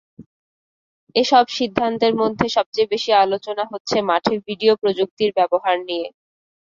এসব সিদ্ধান্তের মধ্যে সবচেয়ে বেশি আলোচনা হচ্ছে মাঠে ভিডিও প্রযুক্তির ব্যবহার নিয়ে।